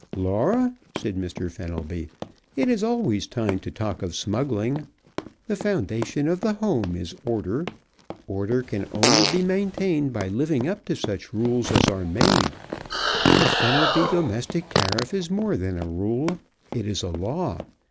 "Laura," said Mr. Fenelby, "it is always time to talk of smuggling. The foundation of the home is order; order can only be maintained by living up to such rules as are made; the Fenelby Domestic Tariff is more than a rule, it is a law.